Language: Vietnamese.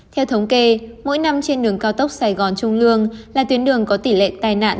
theo thống kê mỗi năm trên đường cao tốc sài gòn trung lương là tuyến đường có tỷ lệ tai nạn